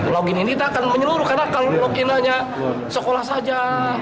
login ini tidak akan menyeluruh karena kalau login hanya sekolah saja